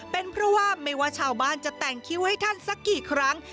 เป็นเพราะว่าไม่ว่าชาวบ้านจะแต่งคิ้วให้ท่านสักกี่ครั้ง